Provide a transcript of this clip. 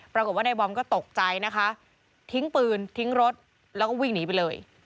ปรากฏว่าในบอมก็ตกใจนะคะทิ้งปืนทิ้งรถแล้วก็วิ่งหนีไปเลย